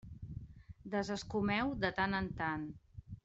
Desescumeu de tant en tant.